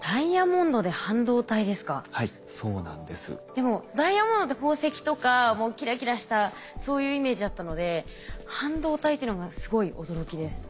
でもダイヤモンドって宝石とかもうキラキラしたそういうイメージだったので半導体っていうのがすごい驚きです。